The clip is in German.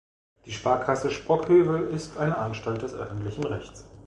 Die Sparkasse Sprockhövel ist eine Anstalt des öffentlichen Rechts.